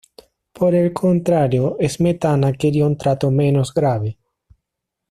Por el contrario, Smetana quería un trato menos grave.